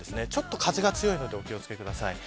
ちょっと風が強いのでお気を付けください。